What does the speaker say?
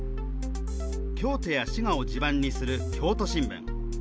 京都や滋賀を地盤にする京都新聞。